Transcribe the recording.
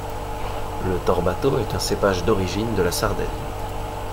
Le torbato est un cépage d'origine de la Sardaigne.